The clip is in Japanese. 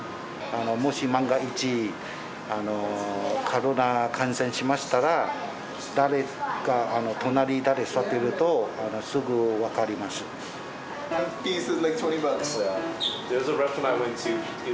もし万が一、コロナ感染しましたら、誰が隣、誰座ってると、すぐ分かります。